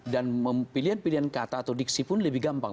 dan pilihan pilihan kata atau diksi pun lebih gampang